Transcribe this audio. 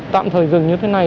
tạm thời dừng như thế này